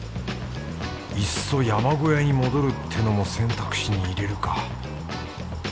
いっそ山小屋に戻るってのも選択肢に入れるか。